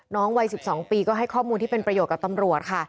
วัย๑๒ปีก็ให้ข้อมูลที่เป็นประโยชน์กับตำรวจค่ะ